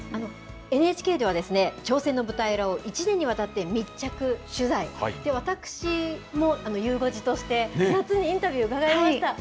ＮＨＫでは、挑戦の舞台裏を１年にわたって密着取材、私も、ゆう５時として夏にインタビュー伺いました。